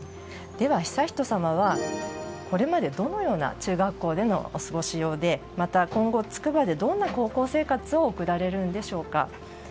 では悠仁さまはこれまでどのように中学校で過ごされまた、今後、筑波でどんな高校生活を送られるのでしょうか。